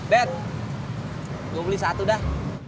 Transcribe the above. bed gue beli satu dah